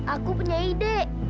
aku punya ide